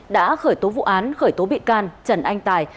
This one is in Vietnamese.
đã khởi tố vụ án khởi tố bị can trần anh tài